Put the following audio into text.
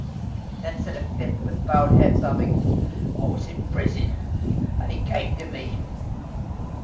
Then said a fifth, with bowed head, sobbing: "I was in prison, and he came to me."